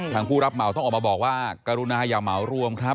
ผู้รับเหมาต้องออกมาบอกว่ากรุณาอย่าเหมารวมครับ